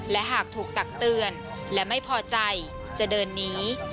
และหากถูกตักเตือนและไม่พอใจจะเดินหนี